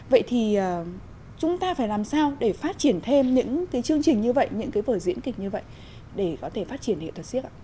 vậy thì chúng ta phải làm sao để phát triển thêm những cái chương trình như vậy những cái vở diễn kịch như vậy để có thể phát triển nghệ thuật siếc ạ